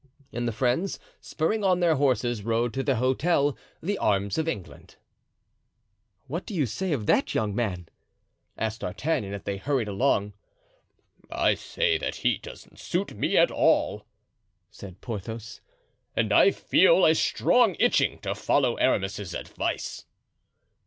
And the friends, spurring on their horses, rode to the hotel, the "Arms of England." "What do you say of that young man?" asked D'Artagnan, as they hurried along. "I say that he doesn't suit me at all," said Porthos, "and that I feel a strong itching to follow Aramis's advice."